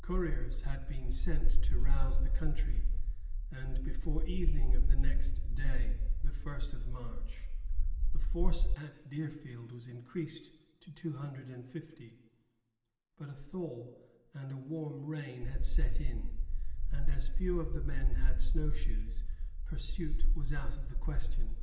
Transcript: Couriers had been sent to rouse the country, and before evening of the next day (the first of March) the force at Deerfield was increased to two hundred and fifty; but a thaw and a warm rain had set in, and as few of the men had snow shoes, pursuit was out of the question.